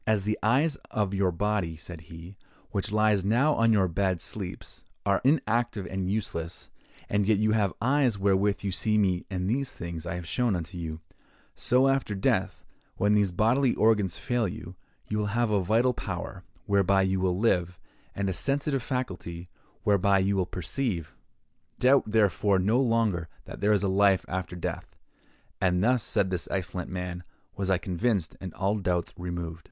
'As the eyes of your body,' said he, 'which lies now on your bed and sleeps, are inactive and useless, and yet you have eyes wherewith you see me and these things I have shown unto you; so after death, when these bodily organs fail you, you will have a vital power, whereby you will live, and a sensitive faculty, whereby you will perceive. Doubt, therefore, no longer that there is a life after death.' And thus," said this excellent man, "was I convinced, and all doubts removed."